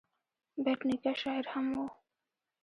بېټ نیکه شاعر هم و.